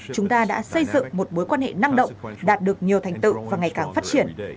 chúng ta đã xây dựng một bối quan hệ năng động đạt được nhiều thành tựu và ngày càng phát triển